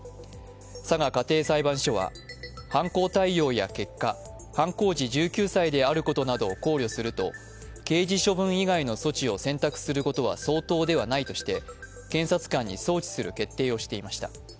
佐賀家庭裁判所は、犯行態様や結果犯行時１９歳であることなどを考慮すると、刑事処分以外の措置を選択することは相当ではないとして検察官に送致する決定をしていました。